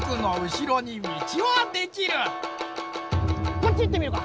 こっちいってみようか。